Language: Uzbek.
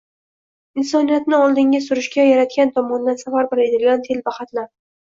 insoniyatni oldinga surishga Yaratgan tomonidan safarbar etilgan «telba» qatlam